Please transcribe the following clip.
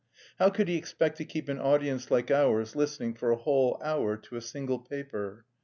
How could he expect to keep an audience like ours listening for a whole hour to a single paper?